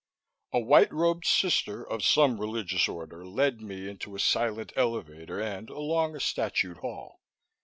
A white robed sister of some religious order led me into a silent elevator and along a statued hall.